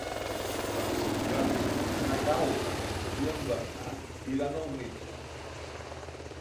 Per Sant Jordi na Gal·la i en Bernat iran al metge.